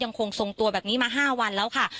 คงทรงตัวแบบนี้มา๕วันแล้วค่ะ